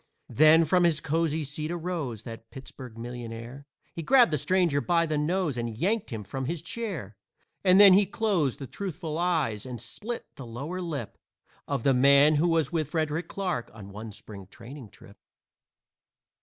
Then from his cozy seat arose That Pittsburg millionaire. He grabbed the stranger by the nose And yanked him from his chair. And then he closed the truthful eyes And split the lower lip Of the man who was with Frederick Clarke On one Spring training trip.